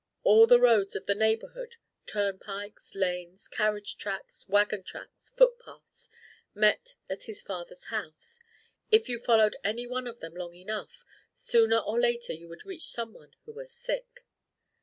All the roads of the neighborhood turnpikes, lanes, carriage tracks, wagon tracks, foot paths met at his father's house; if you followed any one of them long enough, sooner or later you would reach some one who was sick.